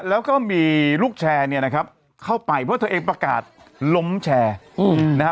แล้วก็มีลูกแชร์เนี่ยนะครับเข้าไปเพราะเธอเองประกาศล้มแชร์นะฮะ